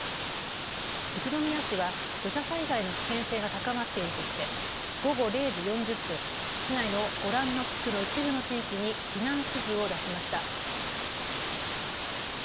宇都宮市は土砂災害の危険性が高まっているとして午後０時４０分、市内のご覧の地区の一部の地域に避難指示を出しました。